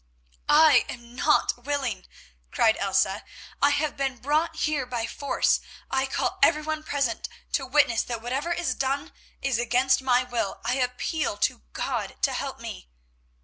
"I am not willing," cried Elsa. "I have been brought here by force. I call everyone present to witness that whatever is done is against my will. I appeal to God to help me."